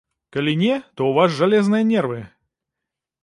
Калі не, то ў вас жалезныя нервы!